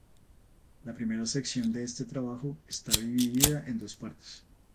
La primera sección de este trabajo está dividida en dos partes.